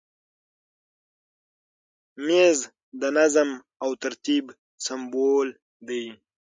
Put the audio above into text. مېز د نظم او ترتیب سمبول دی.